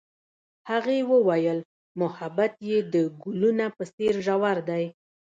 هغې وویل محبت یې د ګلونه په څېر ژور دی.